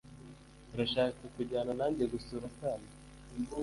Urashaka kujyana nanjye gusura Sano?